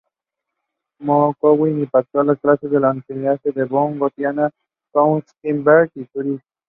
Minkowski impartió clases en las universidades de Bonn, Gotinga, Königsberg y Zúrich.